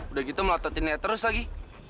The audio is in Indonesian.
udah gitu ngototinnya terus lagi